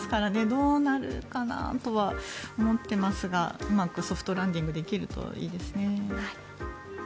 どうなるかなとは思ってますがうまくソフトランディングできるといいですね。